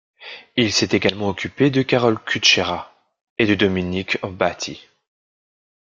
Il s'est également occupé de Karol Kučera et de Dominik Hrbatý.